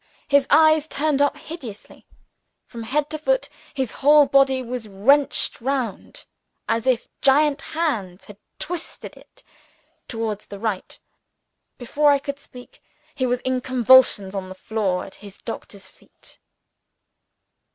His eyes turned up hideously. From head to foot his whole body was wrenched round, as if giant hands had twisted it, towards the right. Before I could speak, he was in convulsions on the floor at his doctor's feet.